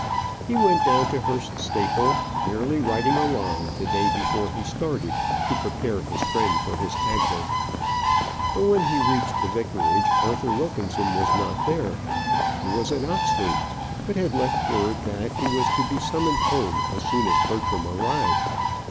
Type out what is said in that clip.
He went down to Hurst Staple, merely writing a line the day before he started, to prepare his friend for his advent. But when he reached the vicarage, Arthur Wilkinson was not there. He was at Oxford; but had left word that he was to be summoned home as soon as Bertram arrived.